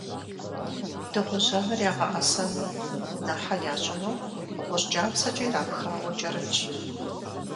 Дыгъужь анэр ягъэӀэсэну, унэхьэ ящӀыну гъущӀ кӀапсэкӀэ ирапхауэ кӀэрытщ.